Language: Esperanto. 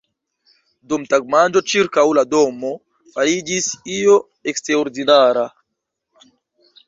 Dum tagmanĝo ĉirkaŭ la domo fariĝis io eksterordinara.